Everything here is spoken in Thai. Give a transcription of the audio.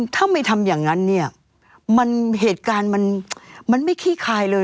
ถ้าไม่ทำอย่างนั้นเนี่ยมันเหตุการณ์มันไม่ขี้คายเลย